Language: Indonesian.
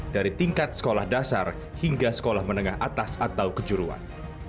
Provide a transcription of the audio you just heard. dari tingkat sekolah dasar hingga sekolah menengah atas atau kejuruan